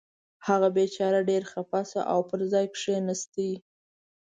هغه بېچاره ډېر خفه شو او پر ځای کېناست.